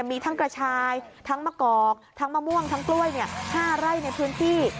มีทั้งกระชายทั้งมะกอกทั้งมะม่วงทั้งกล้วย๕ไร่ในพื้นที่